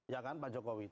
ya kan pak jokowi